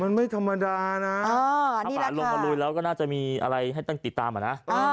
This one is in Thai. มันไม่ธรรมดานะถ้าป่าลงมาลุยแล้วก็น่าจะมีอะไรให้ตั้งติดตามอะนะ